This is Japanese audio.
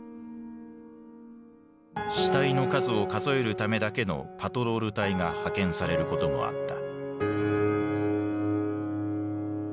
死体の数を数えるためだけのパトロール隊が派遣されることもあった。